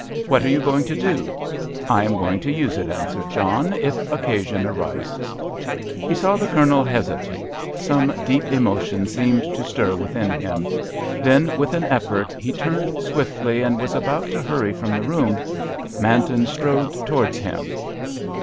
"What are you going to do?" "I am going to use it," answered John, "if occasion arises." He saw the Colonel hesitate. Some deep emotion seemed to stir within him. Then with an effort he turned swiftly, and was about to hurry from the room. Manton strode towards him.